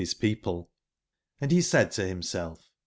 hi 97 people; and be said to himself